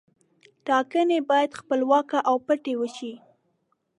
ټاکنې باید خپلواکه او پټې وشي.